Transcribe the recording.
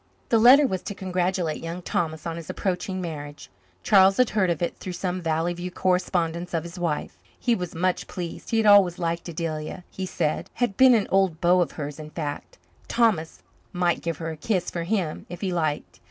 The letter was to congratulate Young Thomas on his approaching marriage. Charles had heard of it through some Valley View correspondents of his wife. He was much pleased; he had always liked Adelia, he said had been an old beau of hers, in fact. Thomas might give her a kiss for him if he liked.